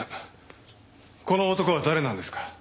この男は誰なんですか？